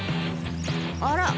あら！